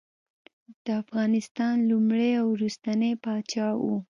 د افغانستان لومړنی او وروستنی پاچا وو.